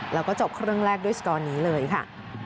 แล้วก็จบครึ่งแรกด้วยสกอร์นี้เลยค่ะ